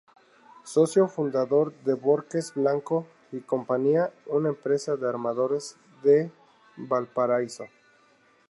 Socio fundador de "Bórquez Blanco y Compañía", una empresa de armadores de Valparaíso.